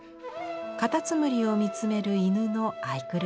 カタツムリを見つめる犬の愛くるしさ。